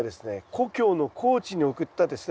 故郷の高知に送ったですね